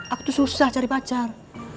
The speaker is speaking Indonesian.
aku susah cari pacar